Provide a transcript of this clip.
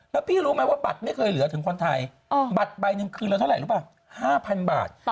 แล้วพี่รู้ไหมว่าบัตรไม่เคยเหลือถึงคนไทยบัตรใบหนึ่งคืนเราเท่าไหร่รู้ป่ะ๕๐๐บาท